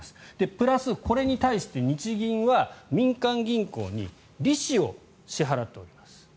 プラスこれに対して日銀は民間銀行に利子を支払っております。